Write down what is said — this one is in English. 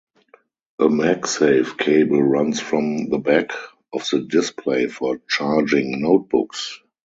A MagSafe cable runs from the back of the display for charging notebooks.